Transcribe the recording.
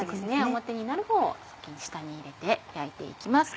表になるほうを先に下に入れて焼いて行きます。